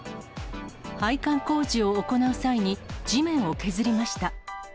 配管工事を行う際に、地面を削りました。